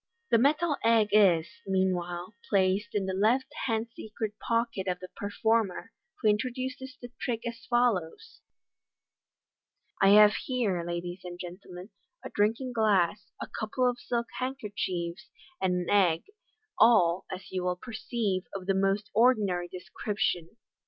The metal egg is, meanwhile, placed in the left hand secret pocket of the performer, who introduces the trick as follows :" I have here, ladies and gentlemen, a drinking glass, a couple of silk handkerchiefs, and an egg, all, as you will perceive, of the most ordinary description."